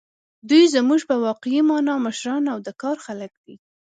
دوی زموږ په واقعي مانا مشران او د کار خلک دي.